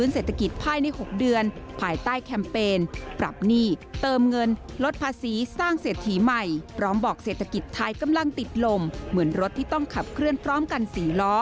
เศรษฐกิจไทยกำลังติดลมเหมือนรถที่ต้องขับเคลื่อนพร้อมกันสี่ล้อ